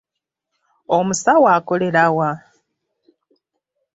Omusawo akolera wa?